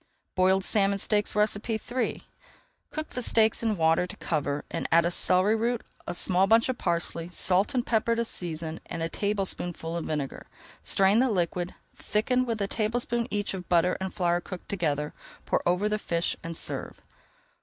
BOILED SALMON STEAKS III Cook the steaks in water to cover and add a celery root, a small bunch of parsley, salt and pepper to season, and a tablespoonful of vinegar. Strain the liquid, thicken with a tablespoonful each [Page 268] of butter and flour cooked together, pour over the fish, and serve.